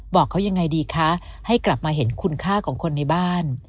บอกเขายังไงดีคะให้กลับมาเห็นคุณค่าของคนในบ้าน